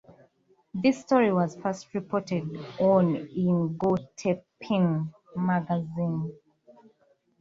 This story was first reported on in Go Tenpin magazine.